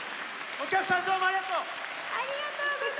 お客さんどうもありがとう！